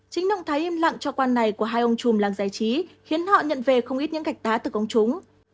chính động thái im lặng cho quan này của hai ông chùm làng giải trí khiến họ nhận về không ít những gạch tá từ công chúng